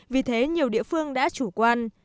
vì thế nhiều địa phương đã chủ quan